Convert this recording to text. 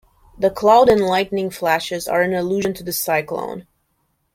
The cloud and lightning flashes are an allusion to the cyclone.